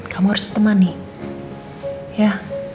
kamu harus ditemani ya